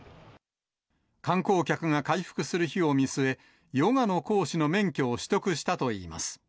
観光客が回復する日を見据え、ヨガの講師の免許を取得したといいます。